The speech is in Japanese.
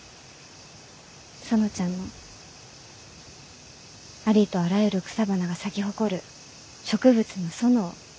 園ちゃんのありとあらゆる草花が咲き誇る植物の園